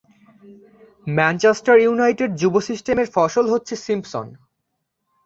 Manchester United যুব system এর ফসল হচ্ছেন সিম্পসন।